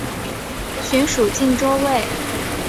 寻属靖州卫。